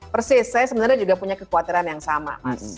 persis saya sebenarnya juga punya kekhawatiran yang sama